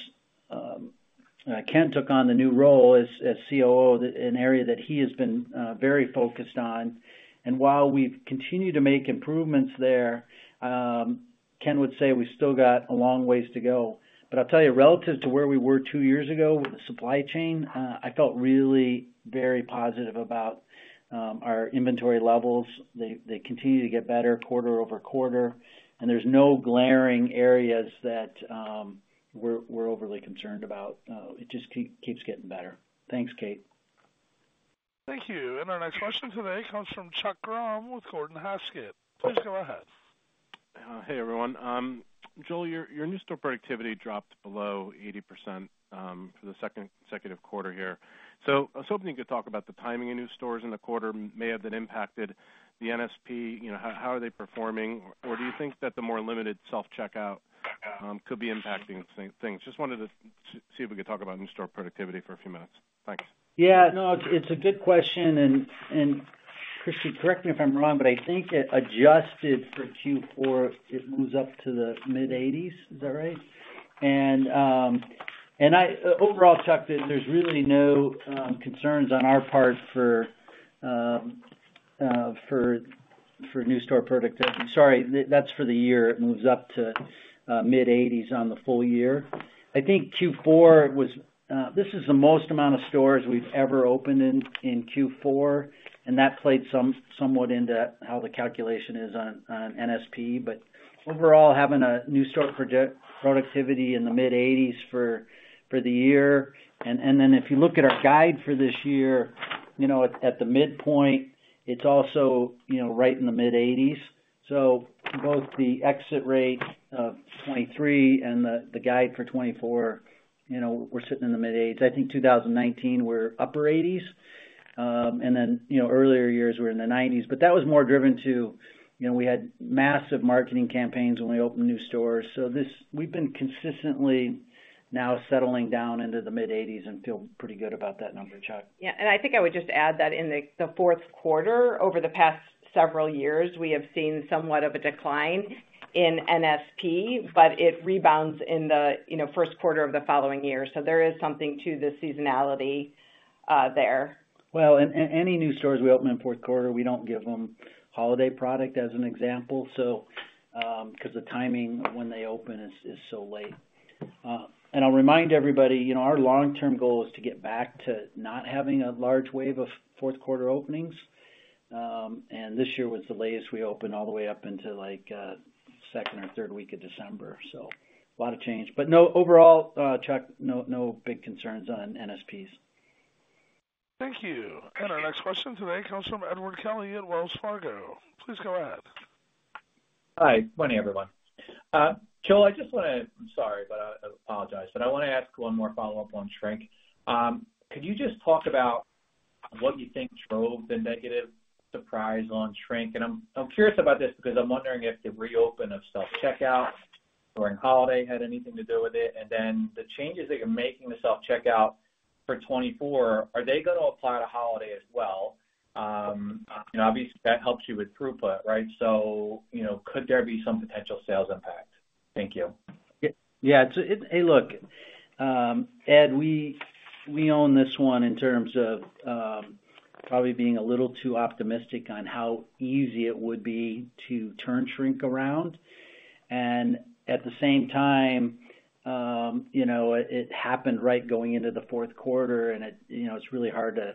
Ken took on the new role as COO, an area that he has been very focused on. And while we've continued to make improvements there, Ken would say we still got a long ways to go. But I'll tell you, relative to where we were two years ago with the supply chain, I felt really very positive about our inventory levels. They continue to get better quarter-over-quarter, and there's no glaring areas that we're overly concerned about. It just keeps getting better. Thanks, Kate. Thank you. Our next question today comes from Chuck Grom with Gordon Haskett. Please go ahead. Hey, everyone. Joel, your new store productivity dropped below 80%, for the second consecutive quarter here. So I was hoping you could talk about the timing of new stores in the quarter may have been impacted, the NSP, you know, how are they performing? Or do you think that the more limited self-checkout could be impacting things? Just wanted to see if we could talk about new store productivity for a few minutes. Thanks. Yeah, no, it's a good question, and, Kristy, correct me if I'm wrong, but I think it adjusted for Q4, it moves up to the mid-eighties. Is that right? And overall, Chuck, there's really no concerns on our part for new store productivity. Sorry, that's for the year. It moves up to mid-eighties on the full year. I think Q4 was this is the most amount of stores we've ever opened in Q4, and that played somewhat into how the calculation is on NSP. But overall, having a new store productivity in the mid-eighties for the year. And then if you look at our guide for this year, you know, at the midpoint, it's also, you know, right in the mid-eighties. So both the exit rate of 23 and the guide for 2024, you know, we're sitting in the mid-80s. I think 2019, we're upper 80s. And then, you know, earlier years were in the 90s, but that was more driven to, you know, we had massive marketing campaigns when we opened new stores. So this—we've been consistently now settling down into the mid-80s and feel pretty good about that number, Chuck. Yeah, and I think I would just add that in the fourth quarter, over the past several years, we have seen somewhat of a decline in NSP, but it rebounds in the, you know, first quarter of the following year. So there is something to the seasonality, there. Well, any new stores we open in fourth quarter, we don't give them holiday product as an example, so, 'cause the timing when they open is so late. And I'll remind everybody, you know, our long-term goal is to get back to not having a large wave of fourth quarter openings. And this year was the latest. We opened all the way up into, like, second or third week of December, so a lot of change. But no, overall, Chuck, no, no big concerns on NSPs. Thank you. And our next question today comes from Edward Kelly at Wells Fargo. Please go ahead. Hi, good morning, everyone. Joel, I apologize, but I want to ask one more follow-up on shrink. Could you just talk about what you think drove the negative surprise on shrink? And I'm curious about this because I'm wondering if the reopen of self-checkout during holiday had anything to do with it, and then the changes that you're making to self-checkout for 2024, are they gonna apply to holiday as well? And obviously, that helps you with throughput, right? So, you know, could there be some potential sales impact? Thank you. Yeah. Yeah, so hey, look, Ed, we, we own this one in terms of, probably being a little too optimistic on how easy it would be to turn shrink around. And at the same time, you know, it, it happened right going into the fourth quarter, and it, you know, it's really hard to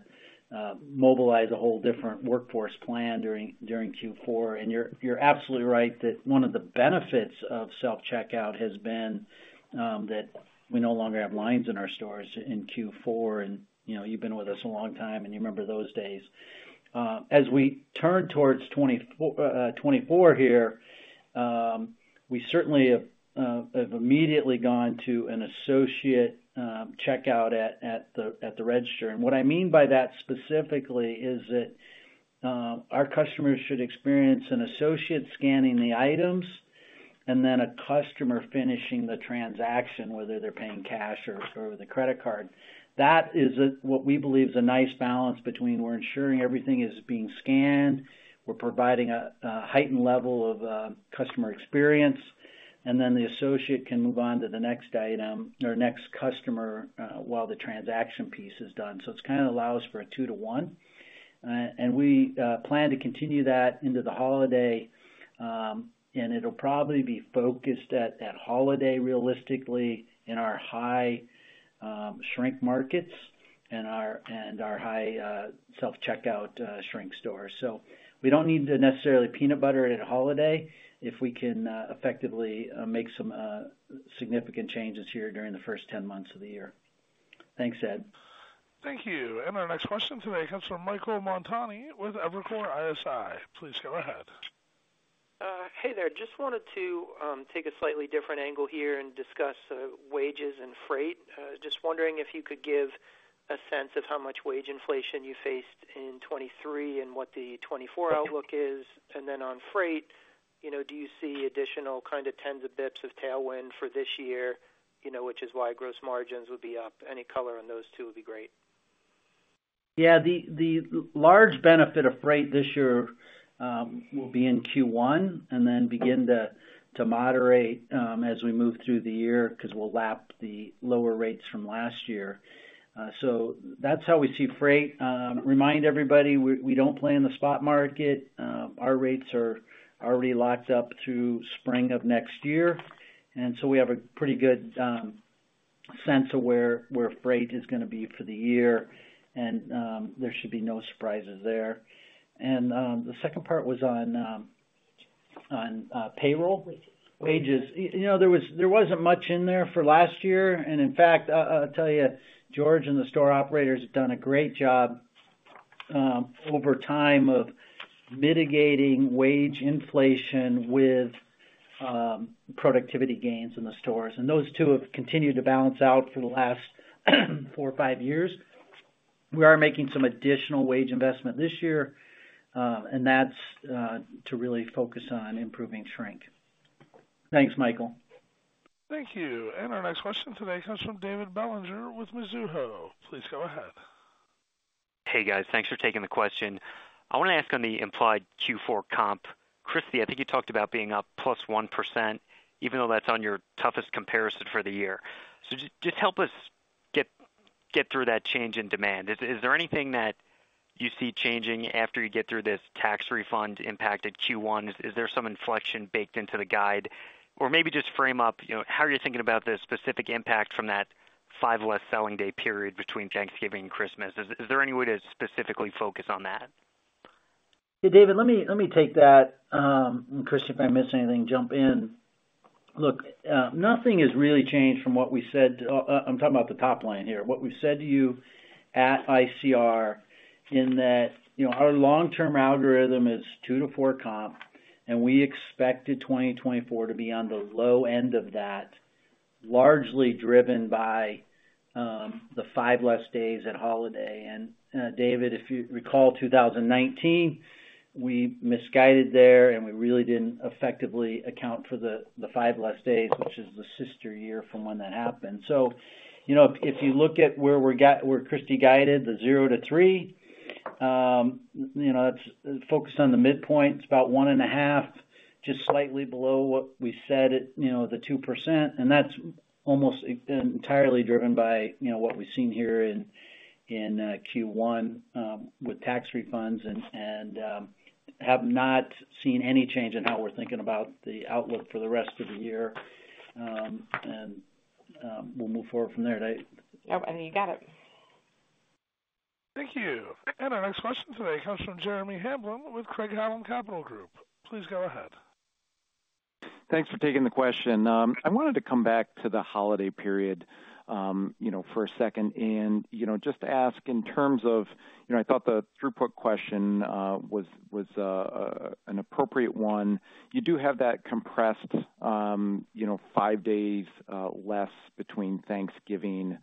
mobilize a whole different workforce plan during, during Q4. And you're, you're absolutely right that one of the benefits of self-checkout has been, that we no longer have lines in our stores in Q4. And, you know, you've been with us a long time, and you remember those days. As we turn towards 2024, 2024 here, we certainly have have immediately gone to an associate checkout at, at the, at the register. And what I mean by that specifically is that, our customers should experience an associate scanning the items, and then a customer finishing the transaction, whether they're paying cash or, or with a credit card. That is what we believe is a nice balance between we're ensuring everything is being scanned, we're providing a heightened level of customer experience, and then the associate can move on to the next item or next customer while the transaction piece is done. So it kind of allows for a 2-to-1. And we plan to continue that into the holiday, and it'll probably be focused at holiday, realistically, in our high shrink markets and our high self-checkout shrink stores. So we don't need to necessarily peanut butter at holiday, if we can effectively make some significant changes here during the first 10 months of the year. Thanks, Ed. Thank you. Our next question today comes from Michael Montani with Evercore ISI. Please go ahead. Hey there. Just wanted to take a slightly different angle here and discuss wages and freight. Just wondering if you could give a sense of how much wage inflation you faced in 2023 and what the 2024 outlook is. And then on freight, you know, do you see additional kind of tens of basis points of tailwind for this year? You know, which is why gross margins would be up. Any color on those two would be great. Yeah, the large benefit of freight this year will be in Q1, and then begin to moderate as we move through the year, 'cause we'll lap the lower rates from last year. So that's how we see freight. Remind everybody, we don't play in the spot market. Our rates are already locked up through spring of next year, and so we have a pretty good sense of where freight is gonna be for the year, and there should be no surprises there. And the second part was on payroll? Wages. You know, there wasn't much in there for last year, and in fact, I'll tell you, George and the store operators have done a great job over time of mitigating wage inflation with productivity gains in the stores, and those two have continued to balance out for the last four or five years. We are making some additional wage investment this year, and that's to really focus on improving shrink. Thanks, Michael. Thank you. Our next question today comes from David Bellinger with Mizuho. Please go ahead. Hey, guys. Thanks for taking the question. I want to ask on the implied Q4 comp. Kristy, I think you talked about being up +1%, even though that's on your toughest comparison for the year. So just help us get through that change in demand. Is there anything that you see changing after you get through this tax refund impact at Q1? Is there some inflection baked into the guide? Or maybe just frame up, you know, how are you thinking about the specific impact from that 5 less selling day period between Thanksgiving and Christmas? Is there any way to specifically focus on that? Yeah, David, let me take that. And Kristy, if I miss anything, jump in. Look, nothing has really changed from what we said. I'm talking about the top line here. What we said to you at ICR, in that, you know, our long-term algorithm is 2-4 comp, and we expected 2024 to be on the low end of that, largely driven by the 5 less days at holiday. David, if you recall, 2019, we misguided there, and we really didn't effectively account for the 5 less days, which is the sister year from when that happened. So, you know, if you look at where we're where Kristy guided, the 0-3, you know, that's focused on the midpoint. It's about 1.5, just slightly below what we said at, you know, the 2%, and that's almost entirely driven by, you know, what we've seen here in Q1, with tax refunds and have not seen any change in how we're thinking about the outlook for the rest of the year. And we'll move forward from there, Dave. Oh, and you got it. Thank you. Our next question today comes from Jeremy Hamblin with Craig-Hallum Capital Group. Please go ahead. Thanks for taking the question. I wanted to come back to the holiday period, you know, for a second, and, you know, just ask in terms of, you know, I thought the throughput question was an appropriate one. You do have that compressed, you know, five days less between Thanksgiving and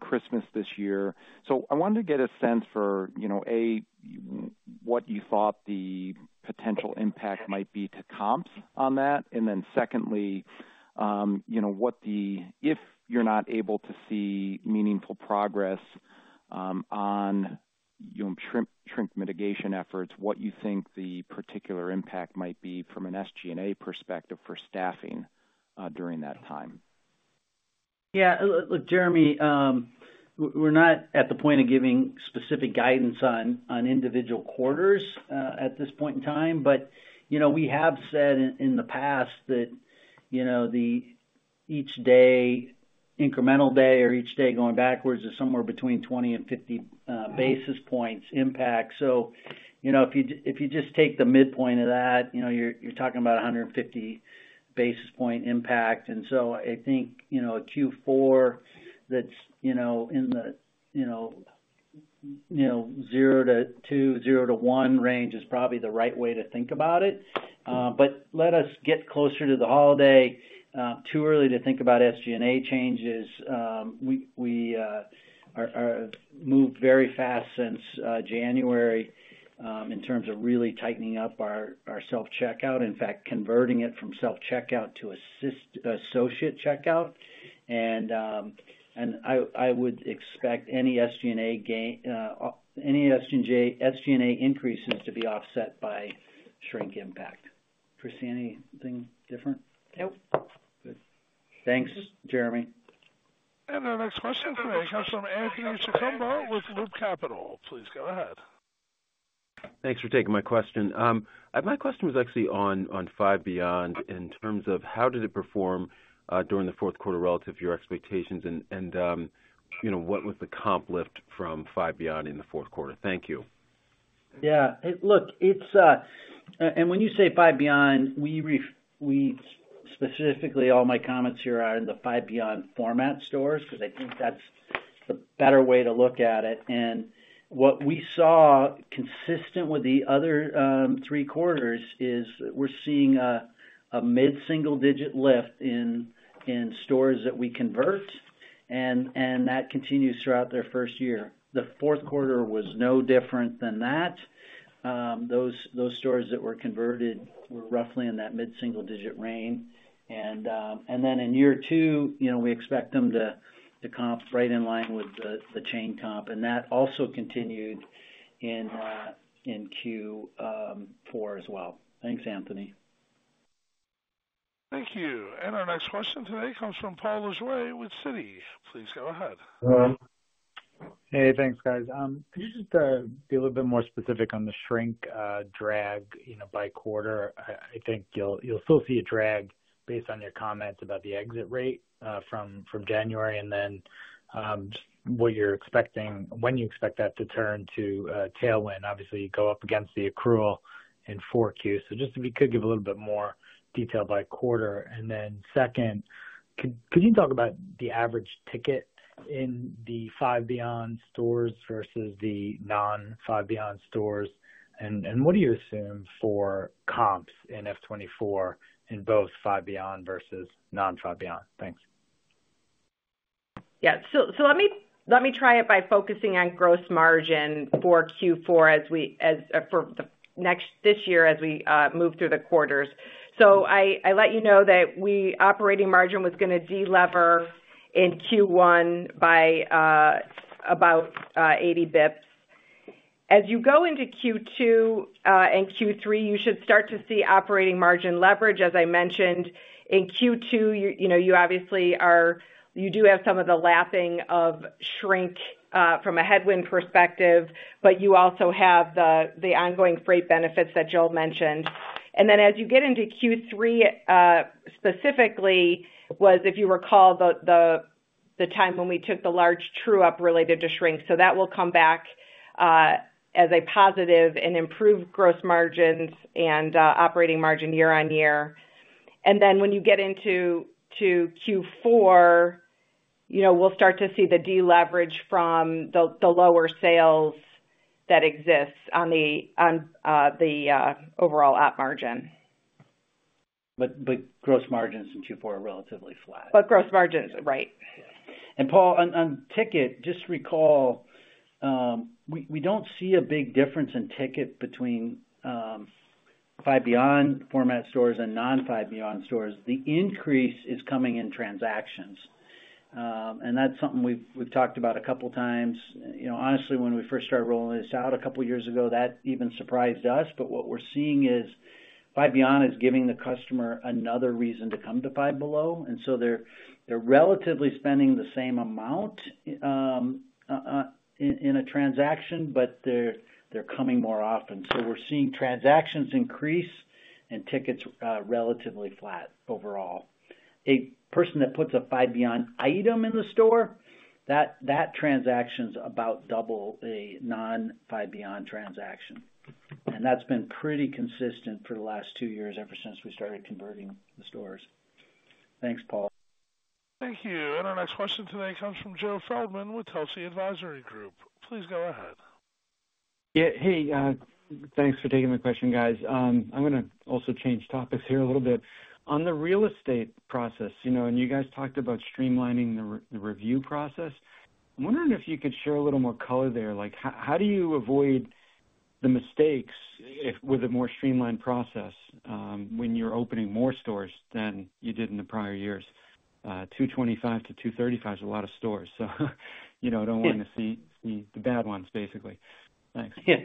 Christmas this year. So I wanted to get a sense for, you know, A, what you thought the potential impact might be to comps on that. And then secondly, you know, what the—if you're not able to see meaningful progress, on, you know, shrink mitigation efforts, what you think the particular impact might be from an SG&A perspective for staffing, during that time? Yeah, look, Jeremy, we're not at the point of giving specific guidance on individual quarters at this point in time. But, you know, we have said in the past that, you know, each day, incremental day or each day going backwards is somewhere between 20 and 50 basis points impact. So, you know, if you just take the midpoint of that, you know, you're talking about a 150 basis point impact. And so I think, you know, Q4, that's, you know, in the, you know, you know, 0 to 2, 0 to 1 range is probably the right way to think about it. But let us get closer to the holiday, too early to think about SG&A changes. We are moved very fast since January in terms of really tightening up our self-checkout. In fact, converting it from self-checkout to associate checkout. And I would expect any SG&A gain, any SG&A increases to be offset by shrink impact. Kristy, anything different? Nope. Good. Thanks, Jeremy. Our next question today comes from Anthony Chukumba with Loop Capital. Please go ahead. Thanks for taking my question. My question was actually on, on Five Beyond, in terms of how did it perform during the fourth quarter relative to your expectations, and you know, what was the comp lift from Five Beyond in the fourth quarter? Thank you. Yeah, it looks, it's, and when you say Five Beyond, we specifically, all my comments here are in the Five Beyond format stores, because I think that's the better way to look at it. And what we saw, consistent with the other three quarters, is we're seeing a mid-single-digit lift in stores that we convert, and that continues throughout their first year. The fourth quarter was no different than that. Those stores that were converted were roughly in that mid-single digit range. And then in year two, you know, we expect them to comp right in line with the chain comp, and that also continued in Q4 as well. Thanks, Anthony. Thank you. Our next question today comes from Paul Lejuez with Citi. Please go ahead. Hey, thanks, guys. Can you just be a little bit more specific on the shrink drag, you know, by quarter? I think you'll still see a drag based on your comments about the exit rate from January, and then what you're expecting, when you expect that to turn to a tailwind. Obviously, you go up against the accrual in 4Q. So just if you could give a little bit more detail by quarter. And then second, could you talk about the average ticket in the Five Beyond stores versus the non-Five Beyond stores? And what do you assume for comps in F 2024 in both Five Beyond versus non-Five Beyond? Thanks. Yeah, so let me try it by focusing on gross margin for Q4 as we for the next this year as we move through the quarters. So I let you know that operating margin was gonna delever in Q1 by about 80 basis points. As you go into Q2 and Q3, you should start to see operating margin leverage. As I mentioned, in Q2, you know, you obviously do have some of the lapping of shrink from a headwind perspective, but you also have the ongoing freight benefits that Joel mentioned. And then, as you get into Q3 specifically, if you recall, the time when we took the large true-up related to shrink, so that will come back as a positive and improve gross margins and operating margin year-on-year. Then when you get into Q4, you know, we'll start to see the deleverage from the lower sales that exist on the overall op margin. But gross margins in Q4 are relatively flat. But gross margins, right? Yeah. And Paul, on ticket, just recall, we don't see a big difference in ticket between Five Beyond format stores and non-Five Beyond stores. The increase is coming in transactions. And that's something we've talked about a couple times. You know, honestly, when we first started rolling this out a couple of years ago, that even surprised us. But what we're seeing is, Five Beyond is giving the customer another reason to come to Five Below, and so they're relatively spending the same amount in a transaction, but they're coming more often. So we're seeing transactions increase and tickets relatively flat overall. A person that puts a Five Beyond item in the store, that transaction's about double a non-Five Beyond transaction. That's been pretty consistent for the last two years, ever since we started converting the stores. Thanks, Paul. Thank you. Our next question today comes from Joe Feldman with Telsey Advisory Group. Please go ahead. Yeah. Hey, thanks for taking the question, guys. I'm gonna also change topics here a little bit. On the real estate process, you know, and you guys talked about streamlining the review process. I'm wondering if you could share a little more color there. Like, how do you avoid the mistakes with a more streamlined process, when you're opening more stores than you did in the prior years? 225 to 235 is a lot of stores, so, you know, don't want to see the bad ones, basically. Thanks. Yeah.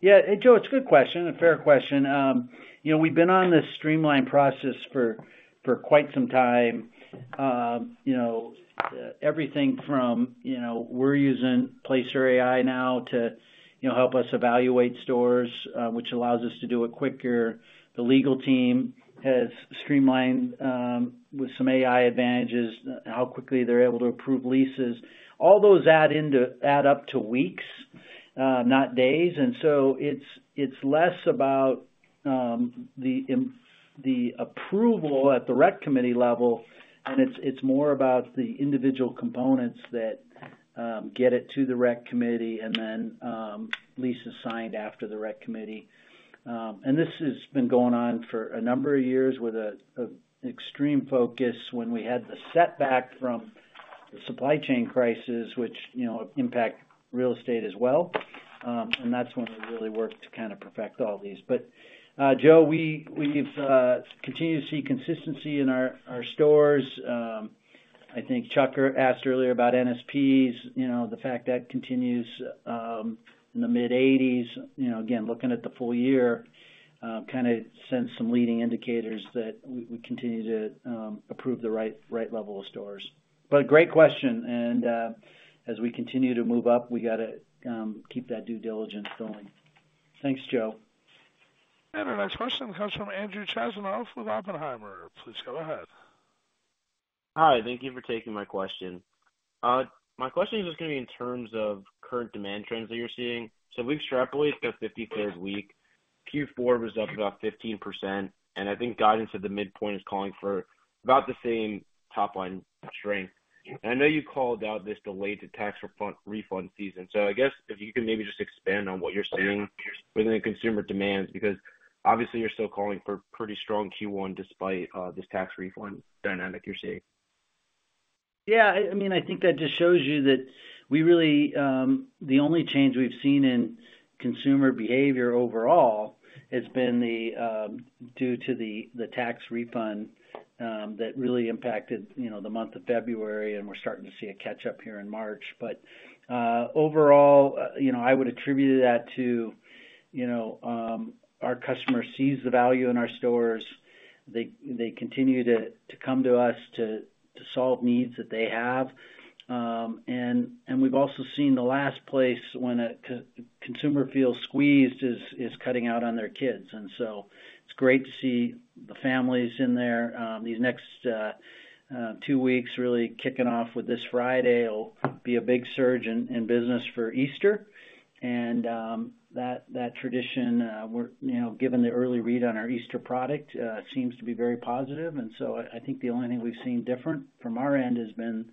Yeah, and Joe, it's a good question, a fair question. You know, we've been on this streamlined process for quite some time. You know, everything from, you know, we're using Placer.ai now to help us evaluate stores, which allows us to do it quicker. The legal team has streamlined, with some AI advantages, how quickly they're able to approve leases. All those add up to weeks, not days, and so it's less about the approval at the REC Committee level, and it's more about the individual components that get it to the REC Committee and then leases signed after the REC Committee. And this has been going on for a number of years with extreme focus when we had the setback from the supply chain crisis, which, you know, impact real estate as well. And that's when we really worked to kind of perfect all these. But, Joe, we've continued to see consistency in our stores. I think Chuck asked earlier about NSPs, you know, the fact that continues in the mid-80s. You know, again, looking at the full year, kind of sends some leading indicators that we continue to approve the right, right level of stores. But great question, and, as we continue to move up, we gotta keep that due diligence going. Thanks, Joe. The next question comes from Andrew Chasanoff with Oppenheimer. Please go ahead. Hi, thank you for taking my question. My question is just gonna be in terms of current demand trends that you're seeing. So we've extrapolated the 53rd week, Q4 was up about 15%, and I think guidance at the midpoint is calling for about the same top-line strength. And I know you called out this delayed tax refund season. So I guess if you could maybe just expand on what you're seeing within the consumer demands, because obviously you're still calling for pretty strong Q1 despite this tax refund dynamic you're seeing. Yeah, I mean, I think that just shows you that we really, the only change we've seen in consumer behavior overall has been the due to the tax refund that really impacted, you know, the month of February, and we're starting to see a catch-up here in March. But, overall, you know, I would attribute that to, you know, our customer sees the value in our stores. They continue to come to us to solve needs that they have. And we've also seen the last place when a consumer feels squeezed is cutting out on their kids. And so it's great to see the families in there. These next two weeks, really kicking off with this Friday, will be a big surge in business for Easter. And that tradition, we're, you know, given the early read on our Easter product, seems to be very positive. And so I think the only thing we've seen different from our end has been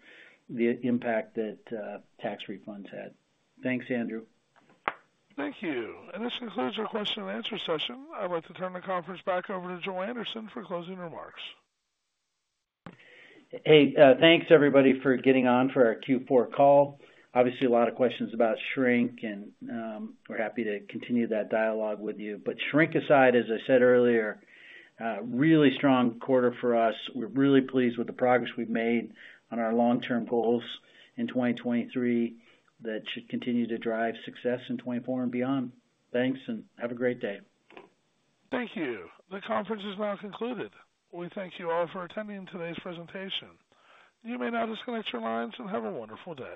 the impact that tax refunds had. Thanks, Andrew. Thank you. This concludes our question-and-answer session. I'd like to turn the conference back over to Joel Anderson for closing remarks. Hey, thanks, everybody, for getting on for our Q4 call. Obviously, a lot of questions about shrink and we're happy to continue that dialogue with you. But shrink aside, as I said earlier, really strong quarter for us. We're really pleased with the progress we've made on our long-term goals in 2023. That should continue to drive success in 2024 and beyond. Thanks, and have a great day. Thank you. The conference is now concluded. We thank you all for attending today's presentation. You may now disconnect your lines and have a wonderful day.